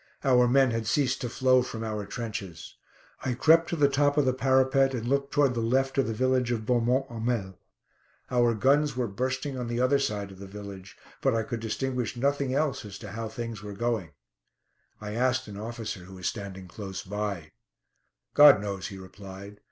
Our men had ceased to flow from our trenches. I crept to the top of the parapet, and looked towards the left of the village of Beaumont Hamel. Our guns were bursting on the other side of the village, but I could distinguish nothing else as to how things were going. I asked an officer who was standing close by. "God knows," he replied.